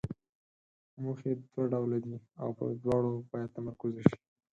موخې دوه ډوله دي او پر دواړو باید تمرکز وشي.